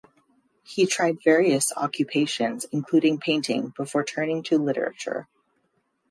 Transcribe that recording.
He tried various occupations including painting before turning to literature.